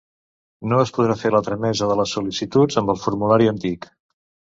No es podrà fer la tramesa de les sol·licituds amb el formulari antic.